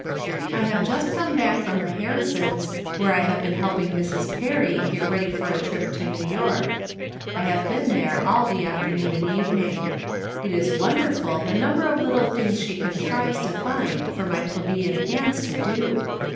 I have just come home from the Harrisons, where I have been helping Mrs. Perry get ready for a trip to New York. I have been there all the afternoon and evening. It is wonderful the number of little things she contrives to find for my plebeian hands to do.